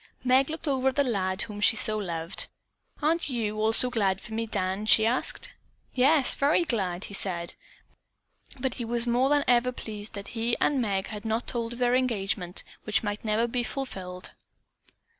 Meg looked over at the lad whom she so loved. "Aren't you also glad for me, Dan?" she asked. "Yes, very glad," he said, but he was more than ever pleased that he and Meg had not told of their engagement, which might never be fulfilled.